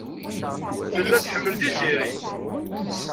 Tella tḥemmel Tiziri.